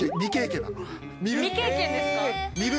未経験ですか？